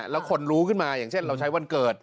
แล้วคนรู้ขึ้นมาอย่างเช่นเราใช้วันเกิด